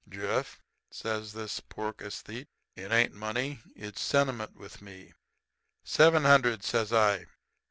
"'Jeff,' says this pork esthete, 'it ain't money; it's sentiment with me.' "'Seven hundred,' says I.